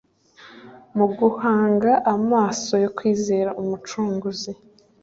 Mu guhanga amaso yo kwzera. Umucunguzi,